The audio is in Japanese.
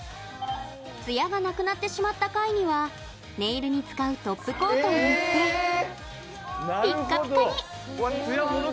ツヤがなくなってしまった貝にはネイルに使うトップコートを塗ってピッカピカに！